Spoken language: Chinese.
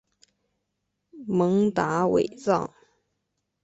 蒙达韦藏。